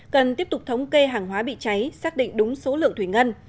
cần tiếp tục thống kê hàng hóa bị cháy xác định đúng số lượng thủy ngân